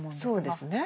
そうですね。